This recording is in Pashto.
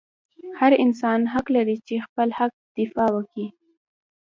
هر انسان حق لري چې خپل حق دفاع وکي